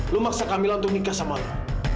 lo maksa kamila untuk nikah sama lo